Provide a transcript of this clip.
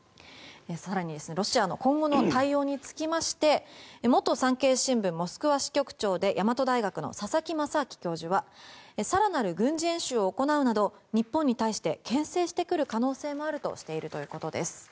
更に、ロシアの今後の対応につきまして元産経新聞モスクワ支局長で大和大学の佐々木正明教授は更なる軍事演習を行うなど日本に対してけん制してくる可能性もあるということです。